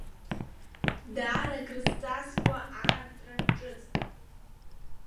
Даара акрызҵазкуа аартра ҿыцк…